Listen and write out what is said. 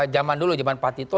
zaman dulu zaman pak tito